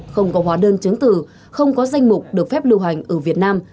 không có hóa đơn chứng từ không có danh mục được phép lưu hành ở việt nam